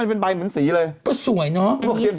มันเป็นใบเหมือนสีสวยต่อ